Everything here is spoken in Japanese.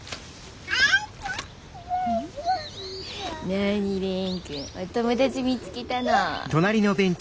なに蓮くんお友達見つけたの？